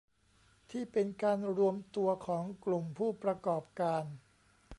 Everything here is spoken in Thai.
ที่เป็นการรวมตัวของกลุ่มผู้ประกอบการ